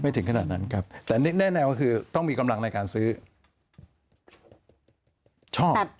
ถึงขนาดนั้นครับแต่แน่ก็คือต้องมีกำลังในการซื้อชอบ